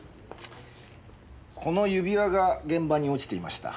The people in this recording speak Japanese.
この指輪が現場に落ちていました。